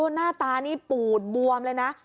หน้าตานี่ปูดบวมเลยนะ